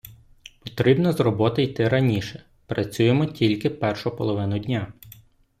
Потрібно з роботи йти раніше, працюємо тільки першу половину дня.